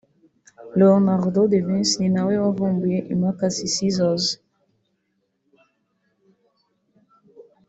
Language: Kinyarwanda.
Leonardo Da Vinci ni na we wavumbuye imakasi (Scissors)